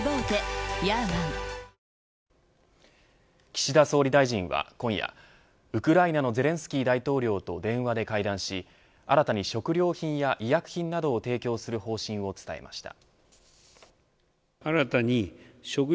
岸田総理大臣は今夜ウクライナのゼレンスキー大統領と電話で会談し新たに食料品や医薬品などを提供する方針を伝えました。